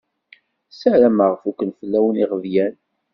Sarameɣ fukken fell-awen iɣeblan.